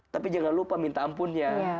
tapi jangan lupa minta ampunnya